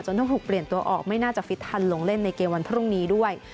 ต้องถูกเปลี่ยนตัวออกไม่น่าจะฟิตทันลงเล่นในเกมวันพรุ่งนี้ด้วย